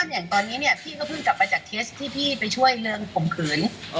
อย่างตอนนี้เนี่ยพี่ก็เพิ่งกลับไปจากเคสที่พี่ไปช่วยเรื่องข่มขืน